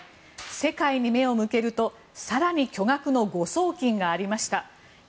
世界に目を向けると更に巨額の誤送金がありました。